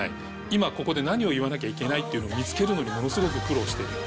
今ここで何を言わなきゃいけないっていうのを見つけるのにものすごく苦労してる。